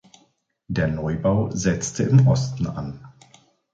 Der Neubau setzte im Osten an.